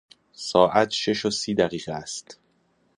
ساعت شش و سی دقیقه است.